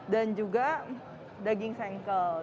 dan juga daging sengkel